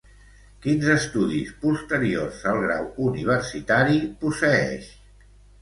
Quins estudis posteriors al grau universitari posseeix?